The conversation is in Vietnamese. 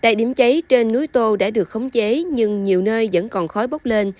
tại điểm cháy trên núi tô đã được khống chế nhưng nhiều nơi vẫn còn khói bốc lên